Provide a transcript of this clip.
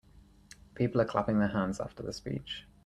People are clapping their hands after the speech.